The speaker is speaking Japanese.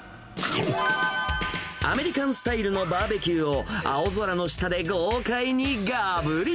アメリカンスタイルのバーベキューを青空の下で豪快にがぶり。